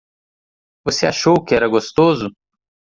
Você achou que era gostoso?